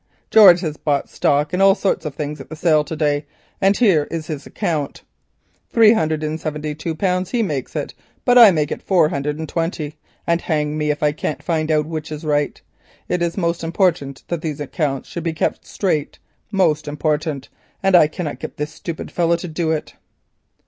George has bought stock and all sorts of things at the sale to day and here is his account; three hundred and seventy two pounds he makes it, but I make it four hundred and twenty, and hang me if I can find out which is right. It is most important that these accounts should be kept straight. Most important, and I cannot get this stupid fellow to do it."